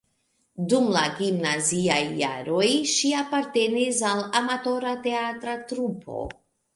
Dum la gimnaziaj jaroj ŝi apartenis al amatora teatra trupo.